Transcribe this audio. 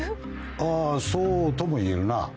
あーそうとも言えるな。